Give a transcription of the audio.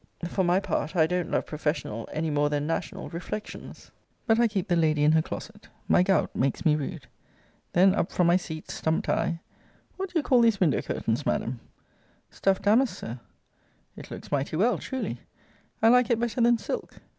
For my part, I don't love professional any more than national reflections. But I keep the lady in her closet. My gout makes me rude. Then up from my seat stumped I what do you call these window curtains, Madam? Stuff damask, Sir. It looks mighty well, truly. I like it better than silk.